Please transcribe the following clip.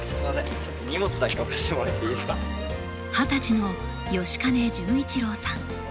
二十歳の吉金潤一郎さん。